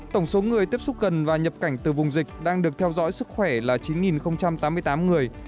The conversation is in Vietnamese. tổng số người tiếp xúc gần và nhập cảnh từ vùng dịch đang được theo dõi sức khỏe là chín tám mươi tám người